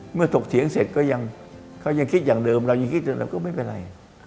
เมื่อถกเถียงเสร็จเขายังคิดอย่างเดิมเรายังคิดอย่างเดิมก็ไม่เป็นไร